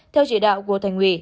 theo chỉ đạo của thành ủy